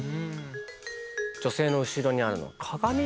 女性の後ろにあるのは鏡？